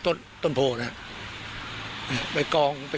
ฐานพระพุทธรูปทองคำ